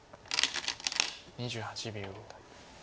２８秒。